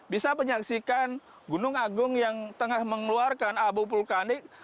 bisa menyaksikan gunung agung yang tengah mengeluarkan abu vulkanik